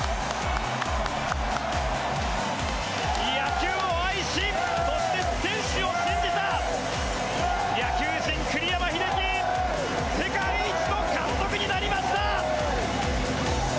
野球を愛しそして選手を信じた野球人、栗山英樹世界一の監督になりました！